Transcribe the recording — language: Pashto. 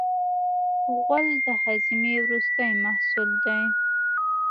غول د هاضمې وروستی محصول دی.